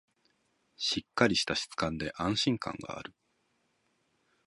しっかりした質感で安心感がある